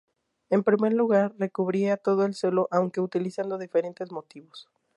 En primer lugar recubría todo el suelo aunque utilizando diferentes motivos.